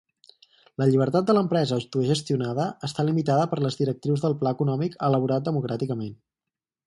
La llibertat de l'empresa autogestionada està limitada per les directrius del pla econòmic elaborat democràticament.